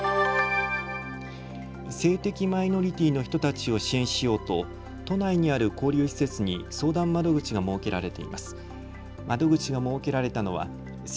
性的マイノリティの人たちを支援しようと都内にある拘留施設に相談窓口が設けられています。